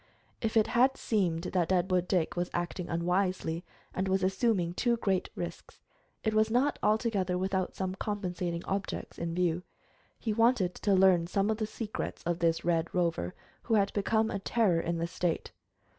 If it has seemed that Deadwood Dick was acting unwisely, and was assuming too great risks, it was not altogether without some compensating objects in view. He wanted to learn some of the secrets of this Red Rover who had become a terror in the State.